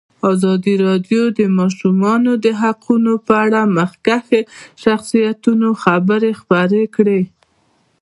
ازادي راډیو د د ماشومانو حقونه په اړه د مخکښو شخصیتونو خبرې خپرې کړي.